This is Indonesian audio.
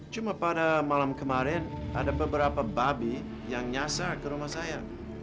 cuma pada malam kemarin ada beberapa babi yang nyasar ke rumah saya